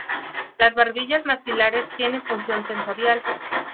Las barbillas maxilares tienen función sensorial.